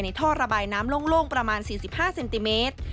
ท่อระบายน้ำโล่งประมาณ๔๕เซนติเมตร